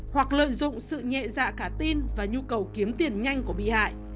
hoặc lợi dụng sự nhẹ dạ cả tin và nhu cầu kiếm tiền nhanh của bị hại